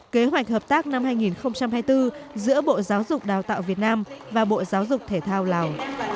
kế hoạch hợp tác năm hai nghìn hai mươi bốn giữa bộ giáo dục đào tạo việt nam và bộ giáo dục thể thao lào